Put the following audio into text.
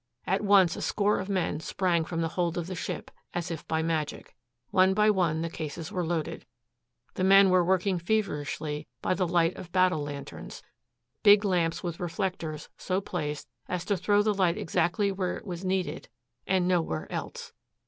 At once a score of men sprang from the hold of the ship, as if by magic. One by one the cases were loaded. The men were working feverishly by the light of battle lanterns big lamps with reflectors so placed as to throw the light exactly where it was needed and nowhere else.